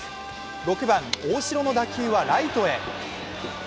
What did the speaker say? ６番・大城の打球はライトへ。